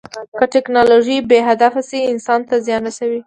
که ټیکنالوژي بې هدفه شي، انسان ته زیان رسوي.